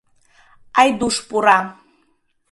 Айдуш пура.